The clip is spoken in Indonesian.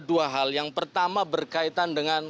dua hal yang pertama berkaitan dengan